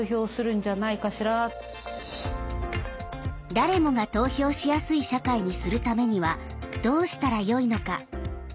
誰もが投票しやすい社会にするためにはどうしたらよいのか。